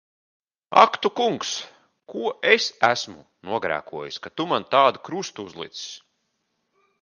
Ak tu Kungs! Ko es esmu nogrēkojusi, ka tu man tādu krustu uzlicis!